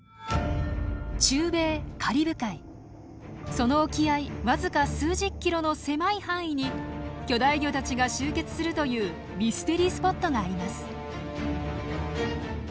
その沖合僅か数十キロの狭い範囲に巨大魚たちが集結するというミステリースポットがあります。